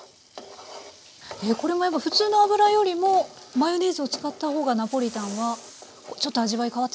これもやっぱ普通の油よりもマヨネーズを使った方がナポリタンはちょっと味わい変わってきますか？